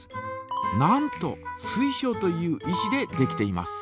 なんと水晶という石でできています。